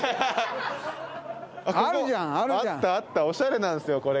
おしゃれなんですよ